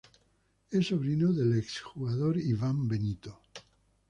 Es sobrino del ex jugador Iván Benito.